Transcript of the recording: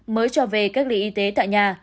mới cho về gác ly y tế tại nhà